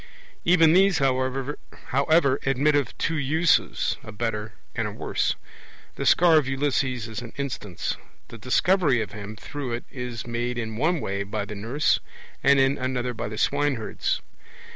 Even these, however, admit of two uses, a better and a worse; the scar of Ulysses is an instance; the Discovery of him through it is made in one way by the nurse and in another by the swineherds.